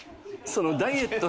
そのダイエット。